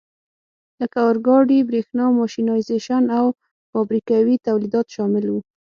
لکه اورګاډي، برېښنا، ماشینایزېشن او فابریکوي تولیدات شامل وو.